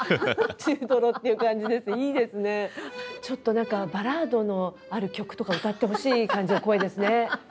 ちょっと何かバラードのある曲とか歌ってほしい感じの声ですね。